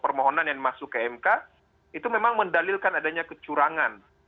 permohonan yang masuk ke mk itu memang mendalilkan adanya kecurangan